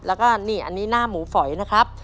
และอันนี้หน้าหมูฝอยนะครับ